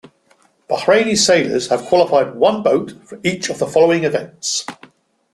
Bahraini sailors have qualified one boat for each of the following events.